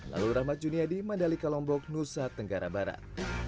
lalu rahmat juniadi mandalika lombok nusa tenggara barat